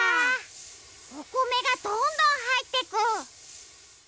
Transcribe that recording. おこめがどんどんはいってく！